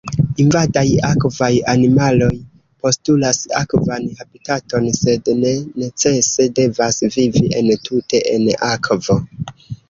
Invadaj akvaj animaloj postulas akvan habitaton, sed ne necese devas vivi entute en akvo.